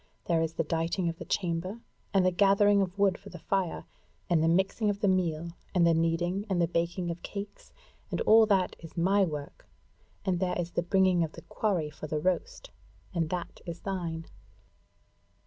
There is the dighting of the chamber, and the gathering of wood for the fire, and the mixing of the meal, and the kneading and the baking of cakes; and all that is my work, and there is the bringing of the quarry for the roast, and that is thine."